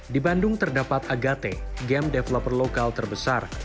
di bandung terdapat agate game developer lokal terbesar